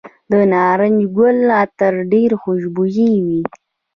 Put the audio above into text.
د نارنج ګل عطر ډیر خوشبويه وي.